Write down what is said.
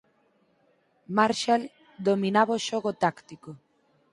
Marshall dominaba o xogo táctico.